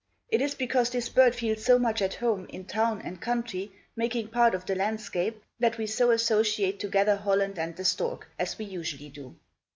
It is because this bird feels so much at home, in town and country, making part of the landscape, that we so associate together Holland and the stork, as we usually do.